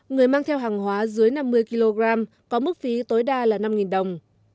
người mang theo hàng hóa dưới năm mươi kg có mức phí tối đa là năm đồng